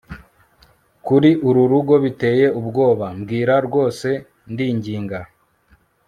kuri uru rugo biteye ubwoba - mbwira rwose, ndinginga